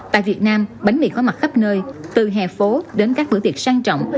tại việt nam bánh mì có mặt khắp nơi từ hè phố đến các bữa tiệc sang trọng